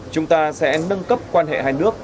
chúng ta sẽ nâng cấp quan hệ hai nước